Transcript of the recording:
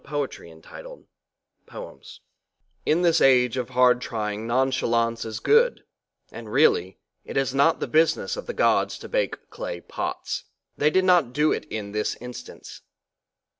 POEMS BY MARIANNE MOORE IN THIS AGE OF HARD TRYING NONCHALANCE IS GOOD, AND really, it is not the business of the gods to bake clay pots. They did not do it in this instance.